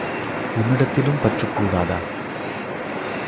உன்னிடத்திலும் பற்றுக் கூடாதா?